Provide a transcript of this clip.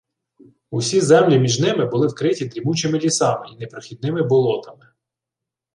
Усі землі між ними були вкриті дрімучими лісами й непрохідними болотами